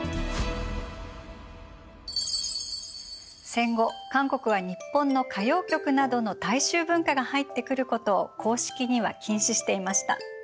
戦後韓国は日本の歌謡曲などの大衆文化が入ってくることを公式には禁止していました。